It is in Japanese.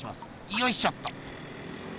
よいしょっと。